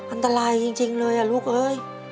อันตรายจริงเลยอ่ะลูกเอ้ย